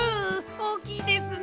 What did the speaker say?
おおきいですね！